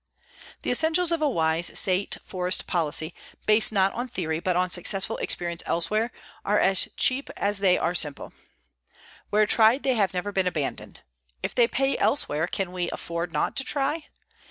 _The essentials of a wise state forest policy, based not on theory but on successful experience elsewhere, are as cheap as they are simple._ Where tried they have never been abandoned. If they pay elsewhere, can we afford not to try?